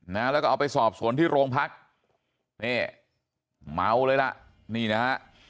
นะแล้วก็เอาไปสอบสวนที่โรงพักนี่เมาเลยล่ะนี่นะฮะ